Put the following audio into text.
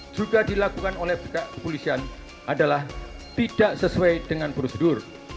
juga dilakukan oleh kepolisian adalah tidak sesuai dengan prosedur